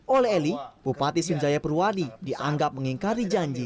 oleh eli bupati sunjaya purwadi dianggap mengingkari janji